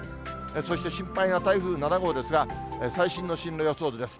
そして心配な台風７号ですが、最新の進路予想図です。